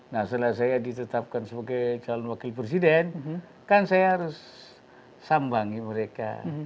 nah setelah saya ditetapkan sebagai calon wakil presiden kan saya harus sambangi mereka